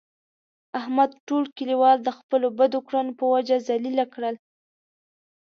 احمد ټول کلیوال د خپلو بدو کړنو په وجه ذلیله کړل.